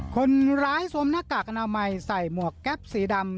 คนร้ายสวมหน้ากากขนาดใหม่ใส่หมวกแก๊ปสีดำ